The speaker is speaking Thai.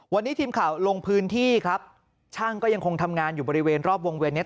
วันนี้ทีมข่าวลงพื้นที่ครับช่างก็ยังคงทำงานอยู่บริเวณรอบวงเวียนเนี้ย